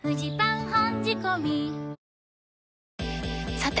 さて！